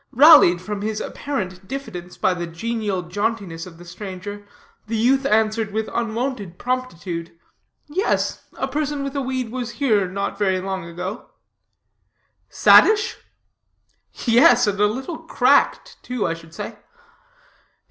Rallied from his apparent diffidence by the genial jauntiness of the stranger, the youth answered with unwonted promptitude: "Yes, a person with a weed was here not very long ago." "Saddish?" "Yes, and a little cracked, too, I should say."